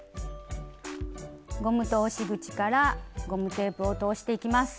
ゴム通し口からゴムテープを通していきます。